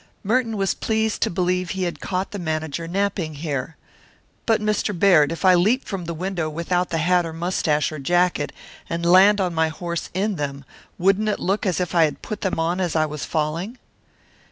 Merton was pleased to believe he had caught the manager napping here. "But Mr. Baird, if I leap from the window without the hat or mustache or jacket and land on my horse in them, wouldn't it look as if I had put them on as I was falling?"